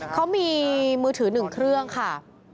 เขามีมือถือ๑เครื่องค่ะ